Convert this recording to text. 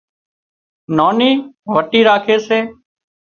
ناني وٽي راکي سي